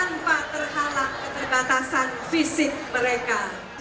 tanpa terhalang keterbatasan fisik mereka